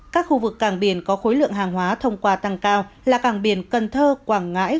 các khu vực cảng biển có khối lượng hàng hóa thông qua tăng cao là cảng biển cần thơ quảng ngãi